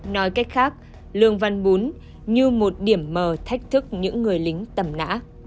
nói cách khác lương văn bún như một điểm mờ thách thức những người lính tầm nã